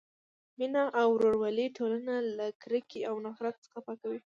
مینه او ورورولي ټولنه له کرکې او نفرت څخه پاکوي.